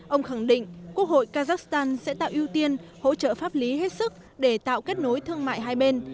ông khẳng định quốc hội kazakhstan sẽ tạo ưu tiên hỗ trợ pháp lý hết sức để tạo kết nối thương mại hai bên